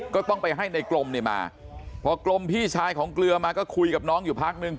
ก็ต้องไปให้ในกลมเนี่ยมาพอกลมพี่ชายของเกลือมาก็คุยกับน้องอยู่พักนึง